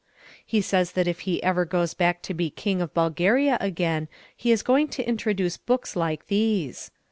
He says that if he ever goes back to be King of Bulgaria again he is going to introduce books like these.